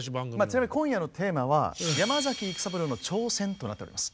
ちなみに今夜のテーマは「山崎育三郎の挑戦」となっております。